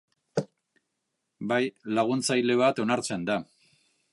Bai, laguntzaile bat onartzen da.